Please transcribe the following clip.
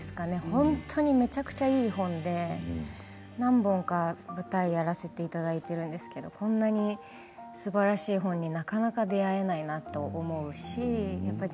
本当にめちゃくちゃいい本で何本か舞台をやらせていただいているんですがこんなに、すばらしい本にはなかなか出会えないなと思うし。